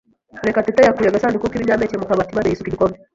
Murekatete yakuye agasanduku k'ibinyampeke mu kabati maze yisuka igikombe.